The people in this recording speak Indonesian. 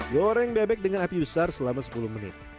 goreng bebek dengan api besar selama sepuluh menit